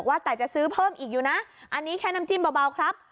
ว่าแต่จะซื้อเพิ่มอีกอยู่นะอันนี้แค่น้ำจิ้มเบาครับ